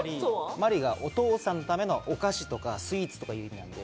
マリがお父さんのためのお菓子とか、スイーツっていう意味。